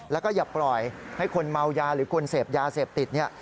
แล้วก็อย่าปล่อยให้คนเมายาหรือคนเสพยาเสพติดเนี่ย